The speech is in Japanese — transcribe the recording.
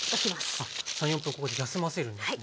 ３４分ここで休ませるんですね。